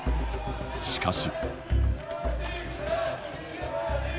しかし。